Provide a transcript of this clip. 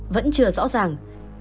vẫn chưa rõ ràng